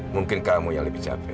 mungkin kamu yang lebih capek